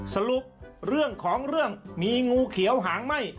สรุปเรื่องของเรื่องมีงูเขียวหางไหม้